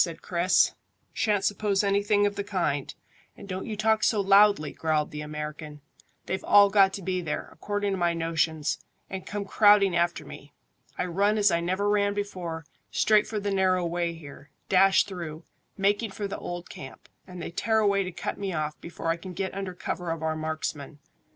said Chris. "Shan't suppose anything of the kind, and don't you talk so loudly," growled the American. "They've all got to be there, according to my notions, and come crowding after me. I run as I never ran before, straight for the narrow way here, dash through, making for the old camp, and they tear away to cut me off before I can get under cover of our marksmen.